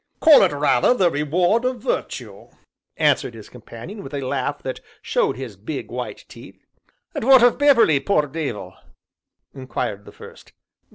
"Call it rather the reward of virtue," answered his companion with a laugh that showed his big, white teeth. "And what of Beverley poor dey vil?" inquired the first.